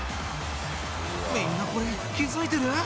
みんな、これ気づいてる？